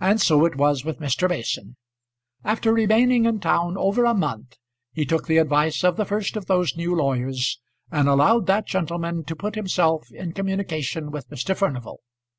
And so it was with Mr. Mason. After remaining in town over a month he took the advice of the first of those new lawyers and allowed that gentleman to put himself in communication with Mr. Furnival.